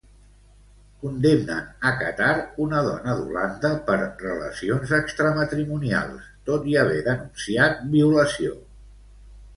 Condemnen a Catar una dona d'Holanda per relacions extramatrimonials, tot i haver denunciat violació.